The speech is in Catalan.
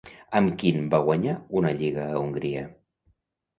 Amb quin va guanyar una lliga a Hongria?